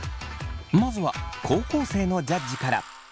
まずは高校生のジャッジから。